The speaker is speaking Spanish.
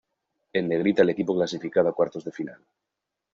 En negrita el equipo clasificado a cuartos de final.